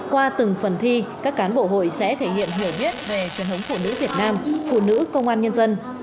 qua từng phần thi các cán bộ hội sẽ thể hiện hiểu biết về truyền thống phụ nữ việt nam phụ nữ công an nhân dân